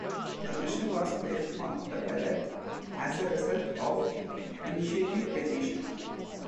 The measure was placed on the ballot as a result of initiative petition.